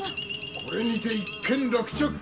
これにて一件落着。